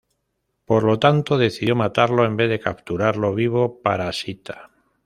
Por lo tanto, decidió matarlo en vez de capturarlo vivo para Sita.